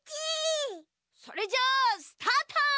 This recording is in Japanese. それじゃスタート！